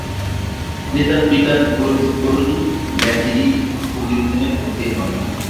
তিনি তার পিতার পুরনো স্কুল ল্যার্দি স্কোলিনে ভর্তি হন।